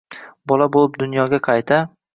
bola boʼlib dunyoga qayta